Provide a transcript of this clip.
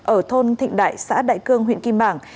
ở thôn thịnh đại xã đại cương huyện kim bảng